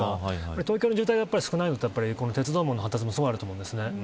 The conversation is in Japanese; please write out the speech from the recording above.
東京の渋滞が少ないのって鉄道の発達もだと思うんですね。